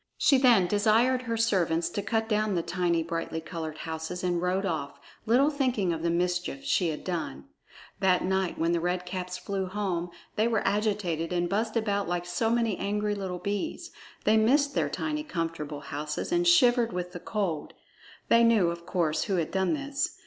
She then desired her servants to cut down the tiny, brightly colored houses and rode off, little thinking of the mischief she had done. That night, when the Red Caps flew home, they were agitated and buzzed about like so many angry little bees. They missed their tiny comfortable houses and shivered with the cold. They knew, of course, who had done this.